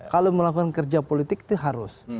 kalau melakukan kerja politik itu harus